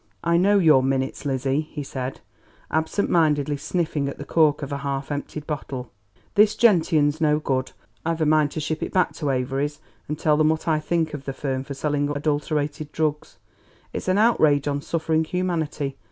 "I know your minutes, Lizzie," he said, absent mindedly sniffling at the cork of a half emptied bottle. "This gentian's no good; I've a mind to ship it back to Avery's and tell them what I think of the firm for selling adulterated drugs. It's an outrage on suffering humanity.